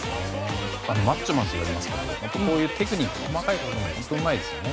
マッチョマンっていわれますけどテクニック細かいことがうまいですよね。